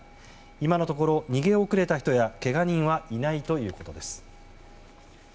今のところ、逃げ遅れた人やけが人はいないということです。